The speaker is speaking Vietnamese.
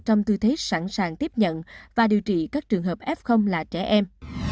trong tư thế sẵn sàng tiếp nhận và điều trị các trường hợp f là trẻ em